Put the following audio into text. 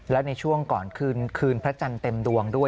และในช่วงก่อนคืนพระจันทร์เต็มดวงด้วย